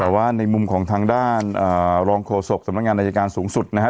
แต่ว่าในมุมของทางด้านรองโฆษกสำนักงานอายการสูงสุดนะฮะ